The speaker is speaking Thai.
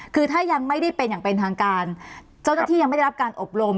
คือถ้ายังไม่ได้เป็นอย่างเป็นทางการเจ้าหน้าที่ยังไม่ได้รับการอบรม